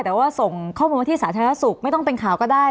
แต่ว่าส่งข้อมูลที่สาธารณสุขไม่ต้องเป็นข่าวก็ได้